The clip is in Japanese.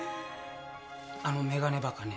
あの眼鏡バカね